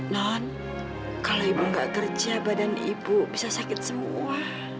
nan kalau ibu nggak kerja badan ibu bisa sakit semua